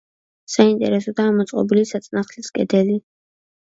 საინტერესოდაა მოწყობილი საწნახლის კედელი.